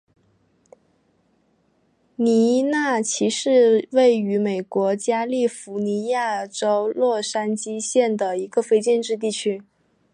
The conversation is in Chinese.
尼纳奇是位于美国加利福尼亚州洛杉矶县的一个非建制地区。